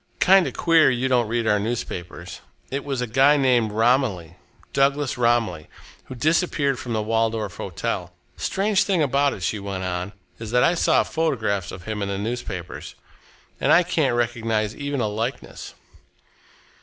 "Kind of queer you don't read our newspapers! It was a guy named Romilly Douglas Romilly who disappeared from the Waldorf Hotel. Strange thing about it," she went on, "is that I saw photographs of him in the newspapers, and I can't recognise even a likeness."